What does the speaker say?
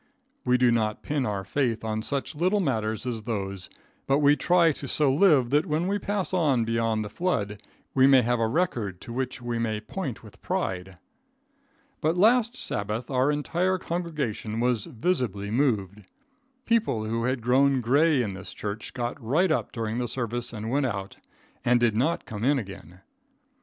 We do not pin our faith on such little matters as those, but we try to so live that when we pass on beyond the flood we may have a record to which we may point with pride. But last Sabbath our entire congregation was visibly moved. People who had grown gray in this church got right up during the service and went out, and did not come in again.